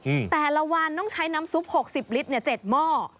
แต่ละวันต้องใช้น้ำซุปหกสิบลิตรเนี้ยเจ็ดหม้อ